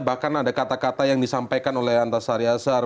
bahkan ada kata kata yang disampaikan oleh antasari azhar